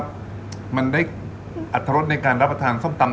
มันได้อัตรรสในการรับประทานส้มตำ